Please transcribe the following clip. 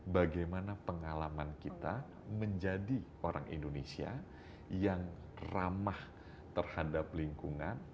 bagaimana pengalaman kita menjadi orang indonesia yang ramah terhadap lingkungan